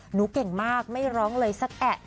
หนูเก่งมากไม่ร้องเลยสักแอะ